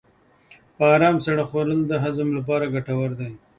په ارام سره خوړل د هضم لپاره ګټور دي.